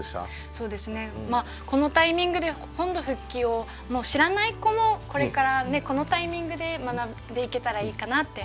そうですねこのタイミングで本土復帰を知らない子もこれからこのタイミングで学んでいけたらいいかなって。